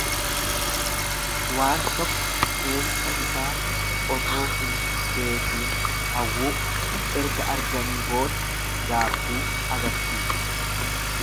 Waan tokko keessa isaa otoo hin beekiin hawwuu erga arganii booda gaabbuu agarsiisa.